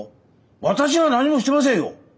私は何もしてませんよ。